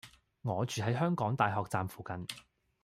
我住喺香港大學站附近